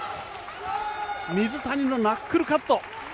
水谷のナックルカット！